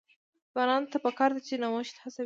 ځوانانو ته پکار ده چې، نوښت هڅوي.